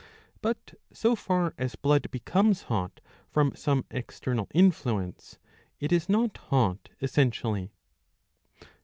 But so far as blood becomes hot from some external influence, it is not hot essentially.